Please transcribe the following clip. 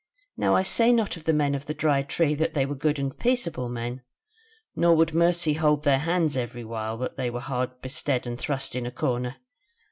"Now I say not of the men of the Dry Tree that they were good and peaceable men, nor would mercy hold their hands every while that they were hard bestead and thrust into a corner.